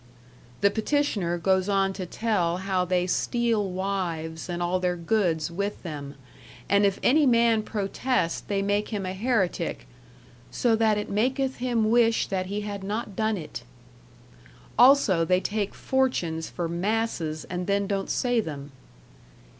The petitioner goes on to tell how they steal wives and all their goods with them, and if any man protest they make him a heretic, "so that it maketh him wisshe that he had not done it". Also they take fortunes for masses and then don't say them.